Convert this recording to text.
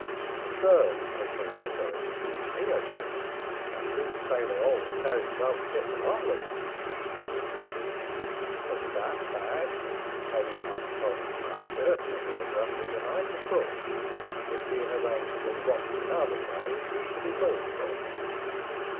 "' No, sir,' I says, says I ;' excuse me,' I says, * a true sailor always carries his own kit along with him ;' so with that a bag, containing Master Tommy's night shirt and a hairbrush and the like, was brought, it being arranged that what .he wanted in other ways was to be called for.